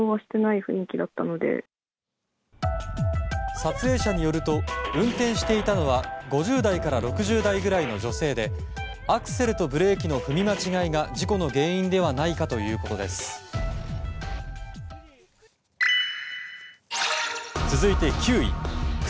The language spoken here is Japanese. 撮影者によると運転していたのは５０代から６０代くらいの女性でアクセルとブレーキの踏み間違いが事故の原因ではないかということです。